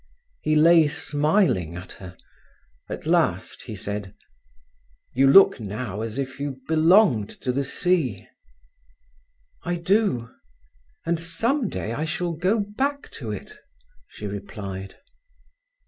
He lay smiling at her. At last he said: "You look now as if you belonged to the sea." "I do; and some day I shall go back to it," she replied.